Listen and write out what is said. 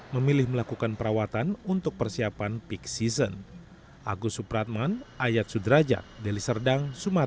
memilih melakukan perawatan untuk persiapan peak season